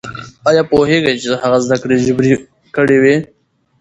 ايا پوهېږئ چې هغه زده کړې جبري کړې وې؟